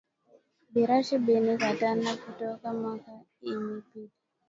Bilashi biri katala ku toka mwaka iri pita